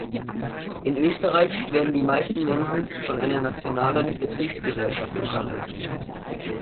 In Österreich werden die meisten Mensen von einer nationalen Betriebsgesellschaft unterhalten.